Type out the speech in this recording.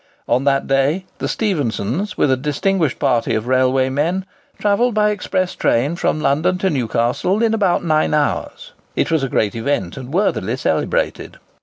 On that day the Stephensons, with a distinguished party of railway men, travelled by express train from London to Newcastle in about nine hours. It was a great event, and was worthily celebrated.